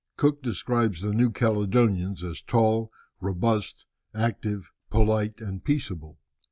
Cook describes the New Caledonians as tall, robust, active, polite, and peaceable.